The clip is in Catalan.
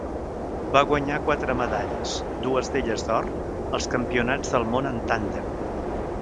Va guanyar quatre medalles, dues d'elles d'or, als Campionats del món en tàndem.